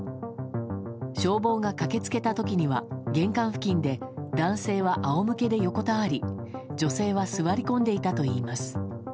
消防が駆け付けた時には玄関付近で男性は仰向けで横たわり女性は座り込んでいたといいます。